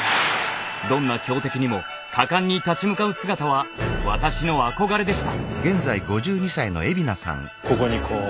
どんな強敵にも果敢に立ち向かう姿は私の憧れでした。